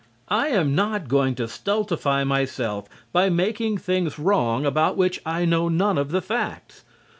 I am not going to stultify myself by making things wrong about which I know none of the facts.